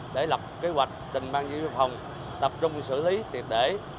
để lập kế hoạch trình ban giữ phòng tập trung xử lý tiệt để